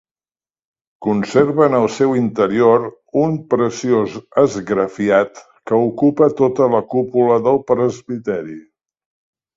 Conserva en el seu interior un preciós esgrafiat que ocupa tota la cúpula del presbiteri.